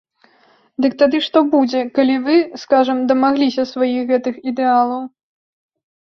Дык тады што будзе, калі вы, скажам, дамагліся сваіх гэтых ідэалаў?